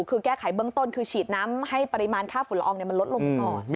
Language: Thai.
คือแก้ไขเบื้องต้นคือฉีดน้ำให้ปริมาณค่าฝุ่นละอองมันลดลงไปก่อน